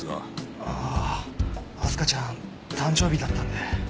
ああ明日香ちゃん誕生日だったんで。